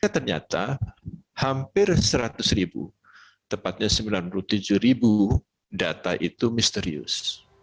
ternyata hampir seratus ribu tepatnya sembilan puluh tujuh ribu data itu misterius